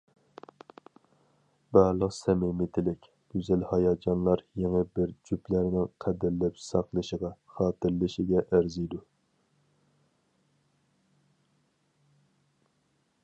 بارلىق سەمىمىي تىلەك، گۈزەل ھاياجانلار يېڭى بىر جۈپلەرنىڭ قەدىرلەپ ساقلىشىغا، خاتىرىلىشىگە ئەرزىيدۇ.